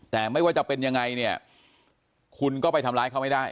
แต่ไม่ว่าจะเป็นยังไงเนี่ยคุณก็ไปทำร้ายเขาไม่ได้